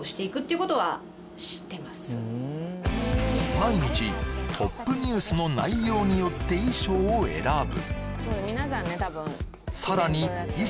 毎日トップニュースの内容によって衣装を選ぶ